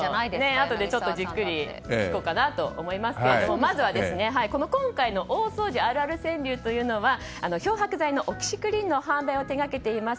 あとでじっくり聞こうと思いますが今回の大掃除あるある川柳というのは漂白剤のオキシクリーンの販売を手掛けています